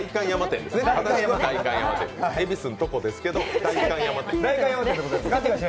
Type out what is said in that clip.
恵比寿のところですけど代官山店。